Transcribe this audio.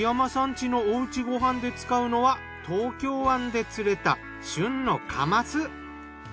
家のお家ご飯で使うのは東京湾で釣れた旬のカマス。